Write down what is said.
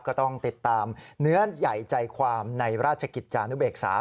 ก็ต้องติดตามเนื้อใหญ่ใจความในราชกิจจานุเบกษา